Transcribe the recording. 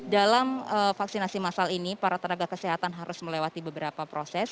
dalam vaksinasi masal ini para tenaga kesehatan harus melewati beberapa proses